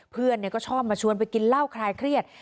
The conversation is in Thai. เพื่อนก็ชอบมาชวนไปกินเหล้าคลายเครียด